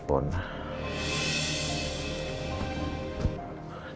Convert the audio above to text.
dia bilang besok itu